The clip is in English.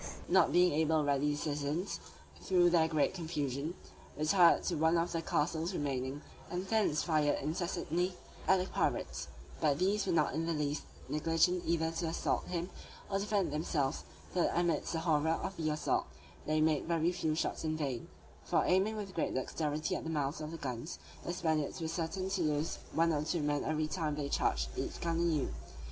The governor of the city, not being able to rally the citizens, through their great confusion, retired to one of the castles remaining, and thence fired incessantly at the pirates: but these were not in the least negligent either to assault him, or defend themselves, so that amidst the horror of the assault, they made very few shots in vain; for aiming with great dexterity at the mouths of the guns, the Spaniards were certain to lose one or two men every time they charged each gun anew.